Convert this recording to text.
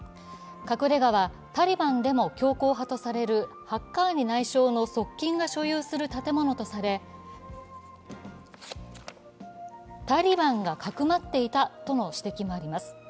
隠れ家はタリバンでも強硬派とされるハッカーニ内相の側近が所有する建物とされ、タリバンがかくまっていたとの指摘もあります。